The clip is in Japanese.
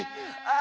あ！